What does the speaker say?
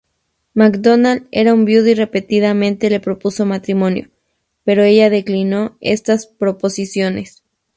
MacDonald era viudo y repetidamente le propuso matrimonio, pero ella declinó estas proposiciones.